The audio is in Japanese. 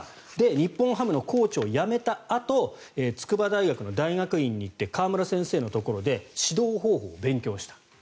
日本ハムのコーチを辞めたあと筑波大学の大学院に行って川村先生のところで指導方法を勉強した。